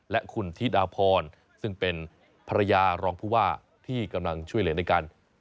และคุณทิศอาพรซึ่งเป็นภรรยารองผู้ว่าที่กำลังช่วยเหลือในการ